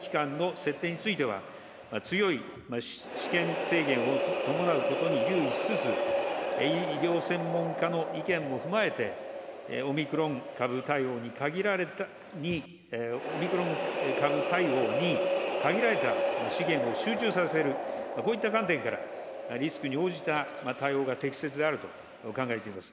また、入国者の隔離期間の設定については、強い私権制限を伴うことを留意しつつ、医療専門家の意見も踏まえて、オミクロン株対応に限られた資源を集中させる、こういった観点から、リスクに応じた対応が適切であると考えています。